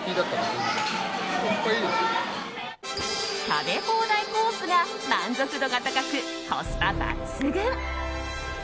食べ放題コースが満足度が高くコスパ抜群。